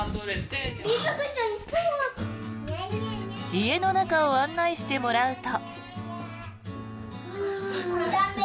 家の中を案内してもらうと。